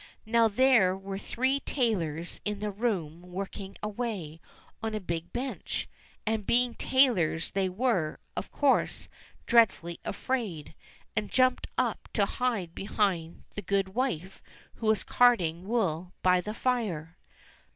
Now there were three tailors in the room working away on a big bench, and being tailors they were, of course, dreadfully afraid, and jumped up to hide behind the good wife who was carding wool by the fire.